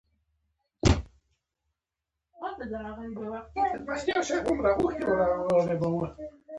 د شمال په لور روان شو، دوه ځله په باران کې.